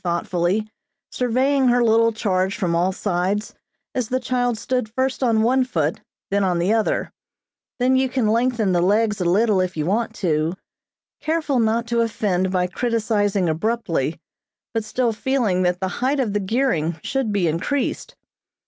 thoughtfully, surveying her little charge from all sides, as the child stood first on one foot, then on the other, "then you can lengthen the legs a little if you want to," careful not to offend by criticising abruptly, but still feeling that the height of the gearing should be increased.